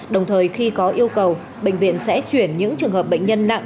đồng thời khi có yêu cầu bệnh viện sẽ chuyển những trường hợp bệnh nhân nặng